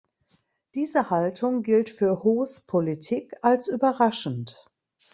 Diese Haltung gilt für Hos Politik als überraschend.